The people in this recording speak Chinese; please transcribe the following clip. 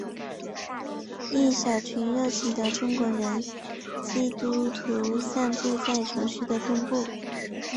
一小群热情的中国人基督徒散布在城市的东部。